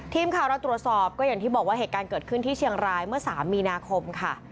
ทีมข่าวเราตรวจสอบก็อย่างที่บอกว่าเหตุการณ์เกิดขึ้นที่เชียงรายเมื่อ๓มีนาคมค่ะ